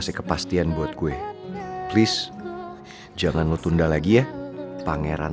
siapa malem malem gini dateng ke rumah